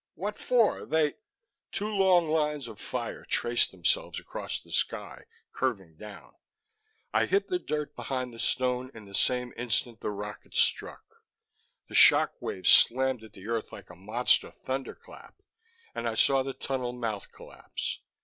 "What for? They " Two long lines of fire traced themselves across the sky, curving down I hit the dirt behind the stone in the same instant the rockets struck. The shock wave slammed at the earth like a monster thunderclap, and I saw the tunnel mouth collapse.